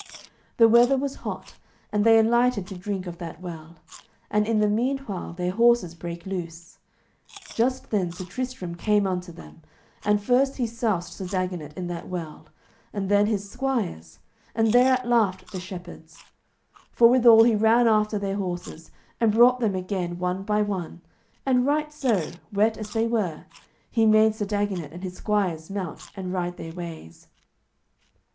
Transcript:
The weather was hot, and they alighted to drink of that well, and in the meanwhile their horses brake loose. Just then Sir Tristram came unto them, and first he soused Sir Dagonet in that well, and then his squires, and thereat laughed the shepherds. Forthwithal he ran after their horses, and brought them again one by one, and right so, wet as they were, he made Sir Dagonet and his squires mount and ride their ways.